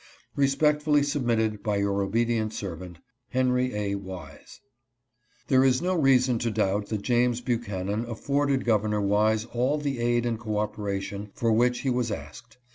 Respectfully submitted by your obedient servant, Henky A. Wise. There is no reason to doubt that James Buchanan af forded Governor Wise all the aid and cooperation for which he was asked.